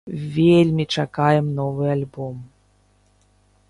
Вельмі чакаем новы альбом!